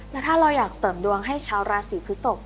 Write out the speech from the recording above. แล้วถ้าเราอยากเสริมดวงให้ชาวราศีพฤศพ